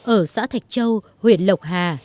ở xã thạch châu huyện lộc hà